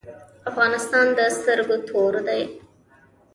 افغانستان د سترګو تور دی؟